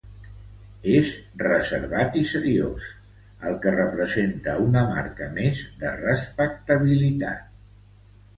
És reservat i seriós, el que representa una marca més de respectabilitat.